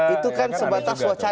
itu kan sebatas wacana